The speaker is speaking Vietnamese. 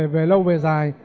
về lâu về dài